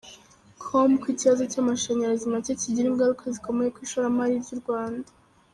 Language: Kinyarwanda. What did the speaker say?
com ko ikibazo cy’amashanyarazi make kigira ingaruka zikomeye ku ishoramari ry’u Rwanda.